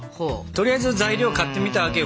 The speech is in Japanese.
とりあえず材料買ってみたわけよ。